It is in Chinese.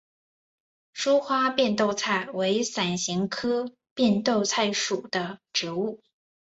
疏花变豆菜为伞形科变豆菜属的植物。